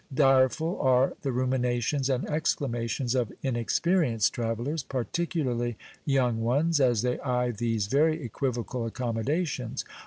Direful are the ruminations and exclamations of inexperienced travellers, particularly young ones, as they eye these very equivocal accommodations.